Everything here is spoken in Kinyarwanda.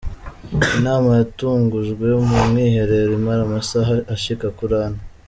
Inama yatangujwe mu mwiherero imara amasaha ashika kuri ane.